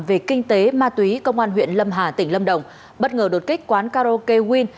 về kinh tế ma túy công an huyện lâm hà tỉnh lâm đồng bất ngờ đột kích quán karaoke win